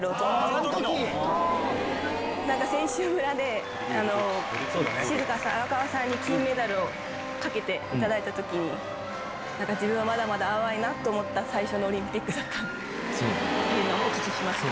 あぁあん時！選手村で荒川さんに金メダルを掛けていただいた時に自分はまだまだ甘いなと思った最初のオリンピックだったってお聞きしました。